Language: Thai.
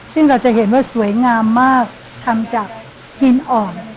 ซึ่งเราจะเห็นว่าสวยงามมากทำจากหินอ่อน